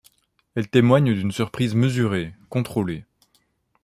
Elle témoigne d'une surprise mesurée, contrôlée.